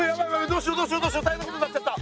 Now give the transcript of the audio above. どうしようどうしよう大変なことになっちゃった。